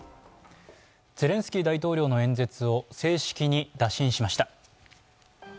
ゼレンスキー大統領の演説を正式に打診しました。